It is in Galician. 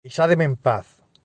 Deixádeme en paz!”